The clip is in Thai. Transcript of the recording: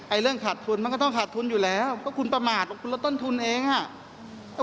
ไอ้เรื่องขาดทุนมันก็ต้องขาดทุนอยู่แล้ว